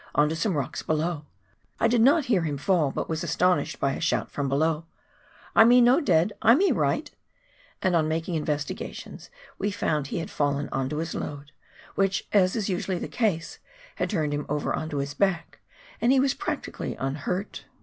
on to some rocks below ; I did not hear him fall, but was astonished by a shout from below, I me no dead, I me right" ; and on making investigations we found he had fallen on to his load, which, as is usually the case, had turned him over on to his back, and he was practically unhurt.